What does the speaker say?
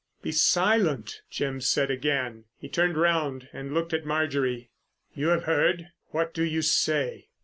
"Be silent," Jim said again. He turned round and looked at Marjorie. "You have heard. What do you say?"